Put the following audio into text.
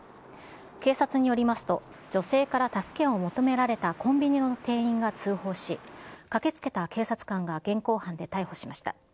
警察によりますと、女性から助けを求められたコンビニの店員が通報し、駆けつけた警察官が現行犯で逮捕しました。